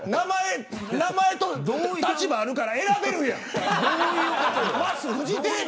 名前と立場があるから選べるやん。